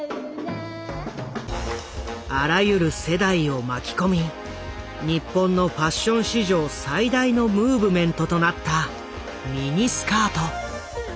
あらゆる世代を巻き込み日本のファッション史上最大のムーブメントとなったミニスカート。